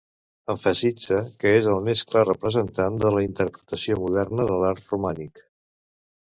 Emfasitza que és el més clar representant de la interpretació moderna de l'art romànic.